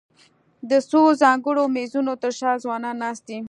د څو ځانګړو مېزونو تر شا ځوانان ناست دي.